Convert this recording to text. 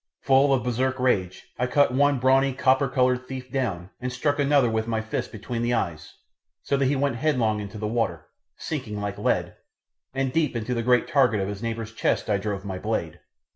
Full of Bersark rage, I cut one brawny copper coloured thief down, and struck another with my fist between the eyes so that he went headlong into the water, sinking like lead, and deep into the great target of his neighbour's chest I drove my blade.